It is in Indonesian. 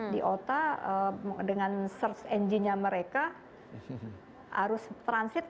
di ota dengan search engine nya mereka harus transit